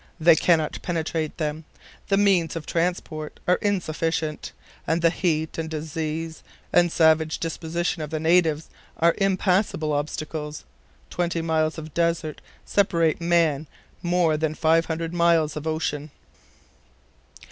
They cannot penetrate them; the means of transport are insufficient, and the heat and disease, and savage disposition of the natives, are impassable obstacles. Twenty miles of desert separate men more than five hundred miles of ocean."